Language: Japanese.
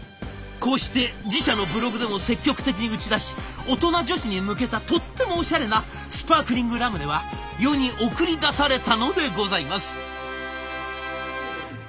こうして自社のブログでも積極的に打ち出し大人女子に向けたとってもオシャレなスパークリングラムネは世に送り出されたのでございます。